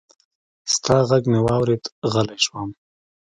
ستا غږ مې واورېد، غلی شوم